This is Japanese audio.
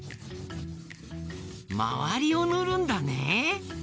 まわりをぬるんだね。